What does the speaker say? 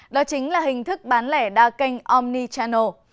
đó chính là hình thức bán lẻ đa kênh omnichannel